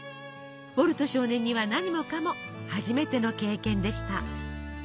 ウォルト少年には何もかも初めての経験でした。